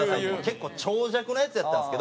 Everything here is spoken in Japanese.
結構長尺のやつやったんですけど